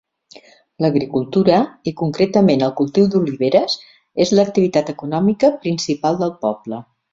L'agricultura, i concretament el cultiu d'oliveres, és la activitat econòmica principal del poble.